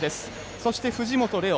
そして、藤本怜央。